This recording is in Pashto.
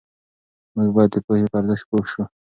موږ باید د پوهې په ارزښت پوه سو.